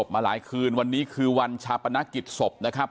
มาหลายคืนวันนี้คือวันชาปนกิจศพนะครับ